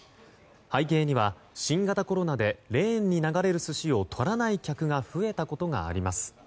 背景には新型コロナでレーンに流れる寿司を取らない客が増えたことがあります。